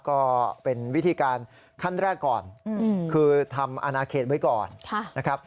ก็เป็นวิธีการขั้นแรกก่อนคือทำอนาเขตไว้ก่อนนะครับ